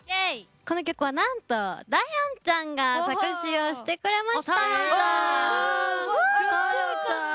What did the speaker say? この曲、なんとダヒョンちゃんが作詞をしてくれました。